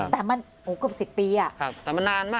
แต่มันเกือบสิบปีอะ